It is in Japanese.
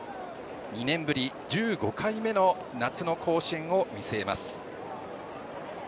２年ぶり１５回目の夏の甲子園を見据えます。